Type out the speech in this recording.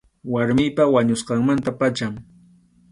Warmiypa wañusqanmanta pacham.